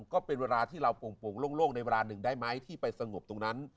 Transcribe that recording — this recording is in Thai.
ก็เป็นเวลาที่เราโป่งโล่งในเวลาหนึ่งได้ไหมที่ไปสงบตรงนั้น